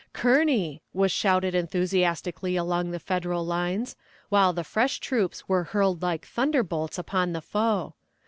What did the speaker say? "Kearney!" was shouted enthusiastically along the Federal lines, while the fresh troops were hurled like thunderbolts upon the foe.